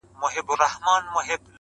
• ته یوازی تنها نه یې -